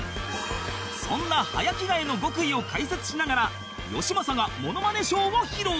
そんな早着替えの極意を解説しながらよしまさがモノマネショーを披露